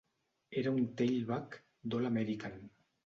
Era un tailback d'All-American.